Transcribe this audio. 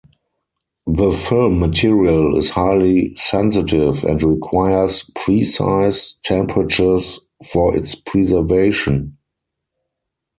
The film material is highly sensitive and requires precise temperatures for its preservation.